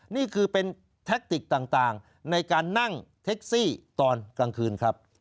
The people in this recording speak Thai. นี่คือเป็นแท็กติกต่างในการนั่งแท็กซี่ตอนกลางคืนครับ